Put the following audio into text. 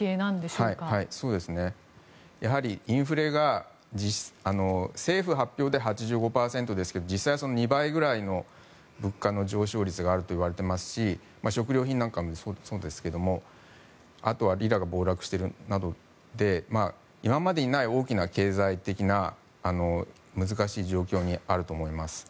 そうですね、インフレが政府発表で８５％ですけど実際はその２倍ぐらいの物価の上昇率があるといわれていますし食料品なんかもそうですがあとはリラが暴落しているなどで今までにない大きな経済的な難しい状況にあると思います。